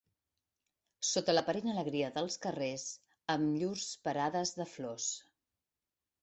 Sota l'aparent alegria dels carrers, amb llurs parades de flors